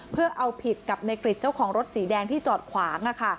เพื่อเอาผิดกับในกริจเจ้าของรถสีแดงที่จอดขวาง